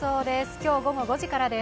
今日午後５時からです。